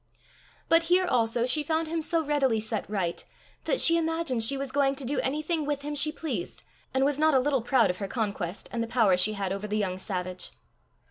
But here also she found him so readily set right, that she imagined she was going to do anything with him she pleased, and was not a little proud of her conquest, and the power she had over the young savage.